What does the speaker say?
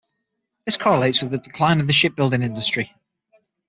This correlates with the decline of the shipbuilding industry.